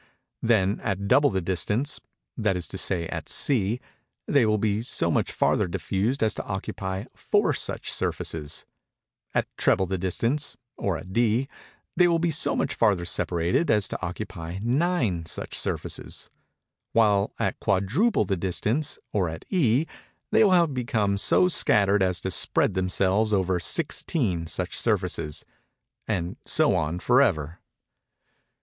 Then at double the distance—that is to say at C—they will be so much farther diffused as to occupy four such surfaces:—at treble the distance, or at D, they will be so much farther separated as to occupy nine such surfaces:—while, at quadruple the distance, or at E, they will have become so scattered as to spread themselves over sixteen such surfaces—and so on forever.